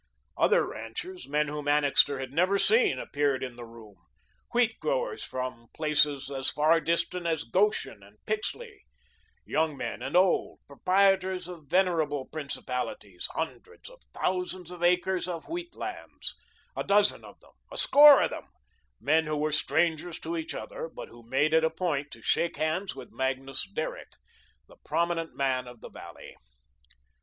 Other ranchers, men whom Annixter had never seen, appeared in the room, wheat growers from places as far distant as Goshen and Pixley; young men and old, proprietors of veritable principalities, hundreds of thousands of acres of wheat lands, a dozen of them, a score of them; men who were strangers to each other, but who made it a point to shake hands with Magnus Derrick, the "prominent man" of the valley.